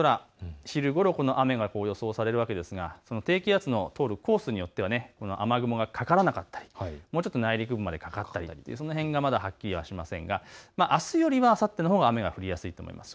昼ごろ、雨が予想されるわけですが低気圧の通るコースによって雨雲がかからなかったり、もうちょっと内陸部までかかったりその辺がまだはっきりしませんがあすよりはあさってのほうが雨が降りやすいでしょう。